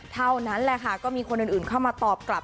เท่านั้นแหละค่ะก็มีคนอื่นเข้ามาตอบกลับ